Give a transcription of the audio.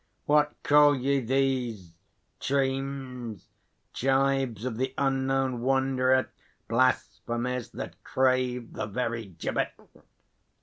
What call ye these? Dreams? Gibes of the unknown wanderer? Blasphemies That crave the very gibbet?